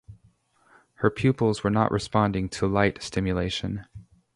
Her pupils were not responding to light stimulation.